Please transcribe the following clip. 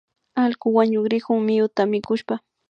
Allku wañukrikun miyuta mikushpa